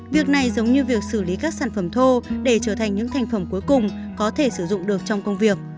việc này giống như việc xử lý các sản phẩm thô để trở thành những thành phẩm cuối cùng có thể sử dụng được trong công việc